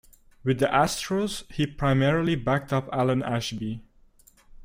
With the Astros, he primarily backed up Alan Ashby.